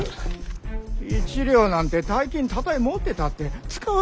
一両なんて大金たとえ持ってたって使わずにおれません。